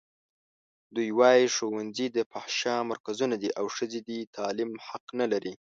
دوی وايي ښوونځي د فحشا مرکزونه دي او ښځې د تعلیم حق نه لري.